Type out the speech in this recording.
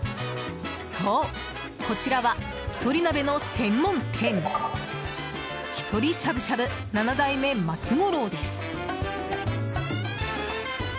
そう、こちらは１人鍋の専門店ひとりしゃぶしゃぶ七代目松五郎です。